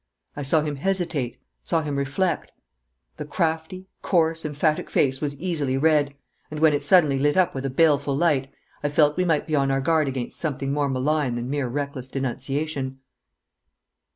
I saw him hesitate, saw him reflect. The crafty, coarse, emphatic face was easily read; and when it suddenly lit up with a baleful light, I felt we might be on our guard against something more malign than mere reckless denunciation.